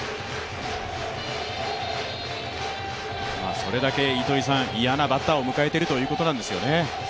それだけ糸井さん、嫌なバッターを迎えているということですね。